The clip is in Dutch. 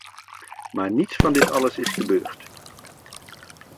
Maar niets van dit alles is gebeurd.